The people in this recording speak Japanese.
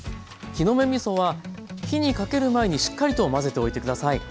木の芽みそは火にかける前にしっかりと混ぜておいてください。